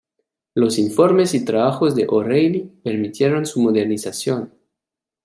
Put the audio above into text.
Los informes y trabajos de O'Reilly permitieron su modernización.